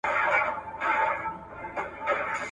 ايډيالوژي د سياسي ډلو د پېژندګلوۍ اصلي نښه ده.